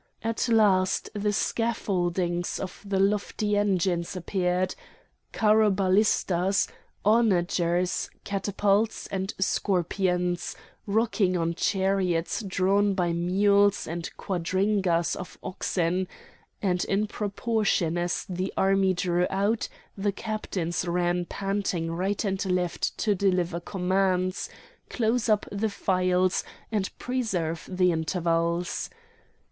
At last the scaffoldings of the lofty engines appeared: carrobalistas, onagers, catapults and scorpions, rocking on chariots drawn by mules and quadrigas of oxen; and in proportion as the army drew out, the captains ran panting right and left to deliver commands, close up the files, and preserve the intervals.